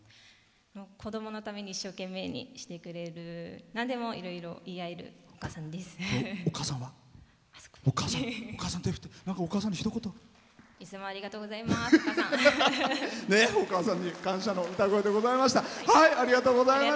子どものために一生懸命してくれるなんでもいろいろ言い合えるお母さんです。